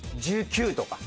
１９とか。